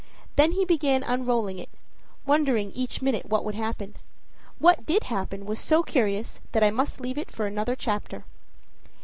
Then he began unrolling it, wondering each minute what would happen. What did happen was so curious that I must leave it for another chapter.